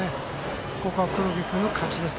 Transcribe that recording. ここは黒木君の勝ちです。